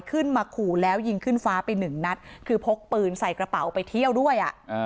ขึ้นมาขู่แล้วยิงขึ้นฟ้าไปหนึ่งนัดคือพกปืนใส่กระเป๋าไปเที่ยวด้วยอ่ะ